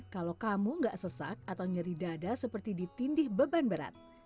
kalau kamu nggak sesak atau nyeri dada seperti ditindih beban berat